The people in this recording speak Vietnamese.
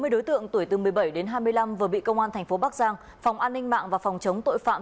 sáu mươi đối tượng tuổi từ một mươi bảy đến hai mươi năm vừa bị công an tp bắc giang phòng an ninh mạng và phòng chống tội phạm